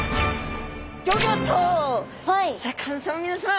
シャーク香音さま皆さま